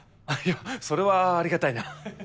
いやそれはありがたいな。